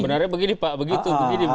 sebenarnya begini pak begitu